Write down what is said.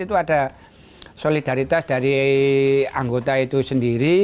itu ada solidaritas dari anggota itu sendiri